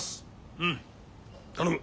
うん頼む。